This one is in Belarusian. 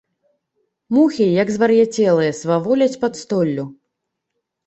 Мухі, як звар'яцелыя, сваволяць пад столлю.